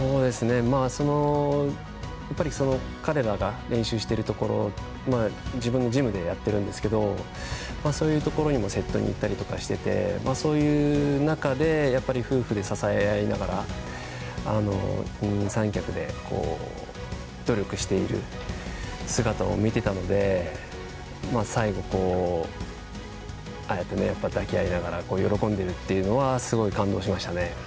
彼らが練習しているところも自分のジムでやってるんですけどそういうところにもセットに行ったりとかしててそういう中で夫婦で支え合いながら二人三脚で努力している姿を見ていたので最後、ああやって抱き合いながら喜んでるというのはすごい感動しましたね。